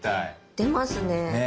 出ますね。